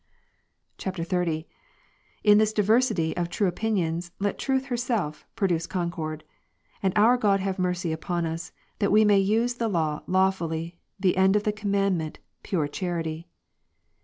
[XXX.] 41, In this diversity of the true opinions, let Truth herself produce concord. And our God have mercy upon us, 1 Tim. that we may use the lawlaivfully, the end of the commandment^ '' pure charity.